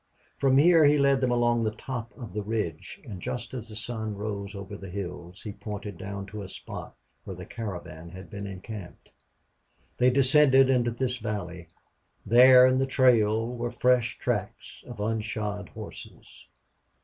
From there he led them along the top of the ridge, and just as the sun rose over the hills he pointed down to a spot where the caravan had been encamped. They descended into this valley. There in the trail were fresh tracks of unshod horses.